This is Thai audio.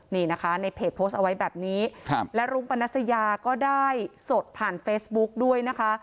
นี่นะคะในเพจโพสต์เอาไว้แบบนี้และรุ้งปนัสยาก็ได้สดผ่านเฟซบุ๊กด้วยนะคะ